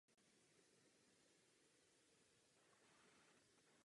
Zároveň bych chtěl vysvětlit, co je hlavním bodem našich obav.